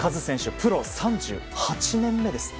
プロ３８年目ですって。